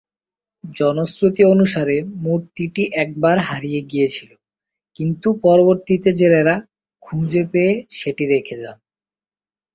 জনশ্রুতি অনুসারে মূর্তিটি একবার হারিয়ে গিয়েছিল কিন্তু পরবর্তিতে জেলেরা খুঁজে পেয়ে সেটি রেখে যান।